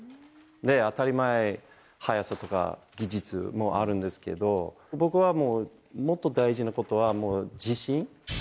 当たり前、速さとか技術もあるんですけど、僕はもう、もっと大事なことは自信。